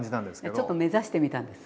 ちょっと目指してみたんです。